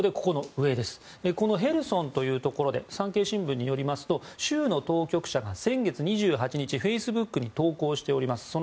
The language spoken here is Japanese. このヘルソンというところで産経新聞によりますと州の当局者が先月２８日フェイスブックに投稿してます。